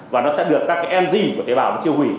và nó sẽ được các engine của tế bào tiêu hủy